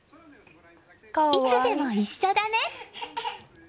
いつでも一緒だね。